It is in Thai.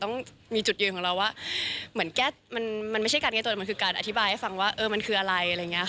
ต้องเรียกว่ามันด้วย